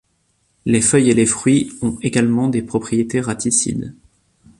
Les feuilles et les fruits ont également des propriétés raticides.